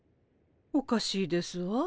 おかしいですわ。